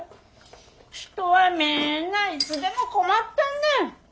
人はみんないつでも困ってんねん。